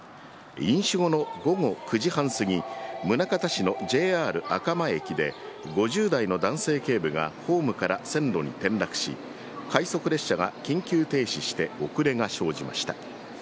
飲酒後の午後９時半過ぎ、宗像市のＪＲ赤間駅で５０代の男性警部がホームから線路に転落し、快速列車が緊急停止して遅れが生じました。